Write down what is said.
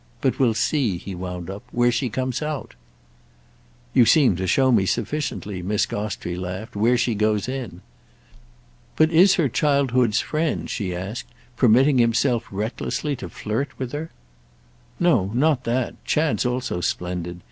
But we'll see," he wound up, "where she comes out." "You seem to show me sufficiently," Miss Gostrey laughed, "where she goes in! But is her childhood's friend," she asked, "permitting himself recklessly to flirt with her?" "No—not that. Chad's also splendid.